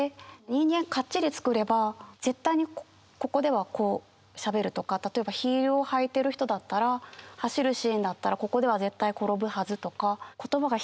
人間かっちり作れば絶対にここではこうしゃべるとか例えばヒールを履いてる人だったら走るシーンだったらここでは絶対転ぶはずとか。